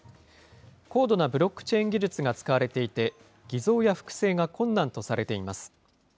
高度なブロックチェーン技術が使われていて、偽造や複製が困難とされています。